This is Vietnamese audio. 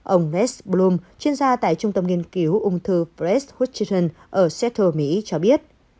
ông les bloom chuyên gia tại trung tâm nghiên cứu ung thư press washington ở seattle mỹ cho biết